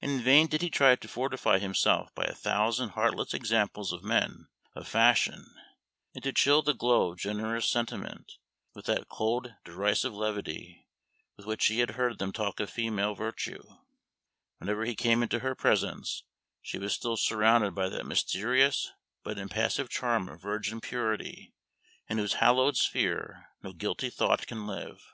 In vain did he try to fortify himself by a thousand heartless examples of men of fashion, and to chill the glow of generous sentiment with that cold derisive levity with which he had heard them talk of female virtue: whenever he came into her presence she was still surrounded by that mysterious but impassive charm of virgin purity in whose hallowed sphere no guilty thought can live.